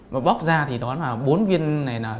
mà bọc ra thì đó là bốn viên này là